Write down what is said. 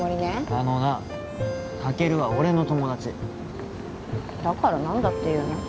あのなカケルは俺の友達だから何だって言うの？